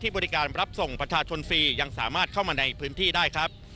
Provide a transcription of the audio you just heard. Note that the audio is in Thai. บริการรับส่งประชาชนฟรียังสามารถเข้ามาในพื้นที่ได้ครับ